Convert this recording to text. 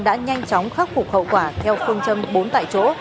đã nhanh chóng khắc phục hậu quả theo phương châm bốn tại chỗ